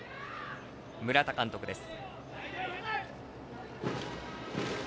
村田監督です。